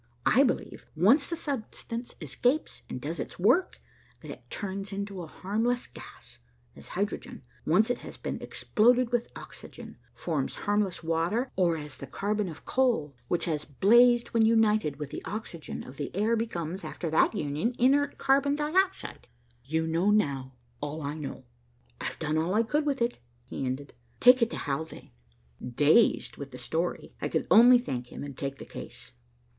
I believe, once the substance escapes and does its work, that it turns to a harmless gas, as hydrogen, once it has been exploded with oxygen, forms harmless water, or as the carbon of coal, which has blazed when united with the oxygen of the air becomes, after that union, inert carbon dioxide. You know, now, all I know. I've done all I could with it," he ended, "Take it to Haldane." Dazed with the story, I could only thank him and take the case.